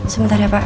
sebentar ya pak